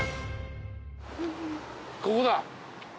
ここだ。